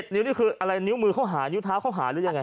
นิ้วนี่คืออะไรนิ้วมือเขาหานิ้วเท้าเขาหาหรือยังไง